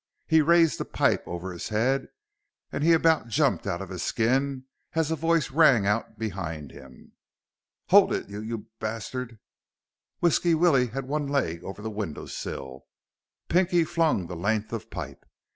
He raised the pipe over his head, and he about jumped out of his skin as a voice rang out behind him. "Hold it, you b bastard!" Whisky Willie had one leg over the windowsill. Pinky flung the length of pipe.